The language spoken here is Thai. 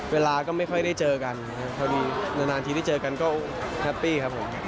เวลาก็ไม่ค่อยได้เจอกันพอดีนานทีได้เจอกันก็แฮปปี้ครับผม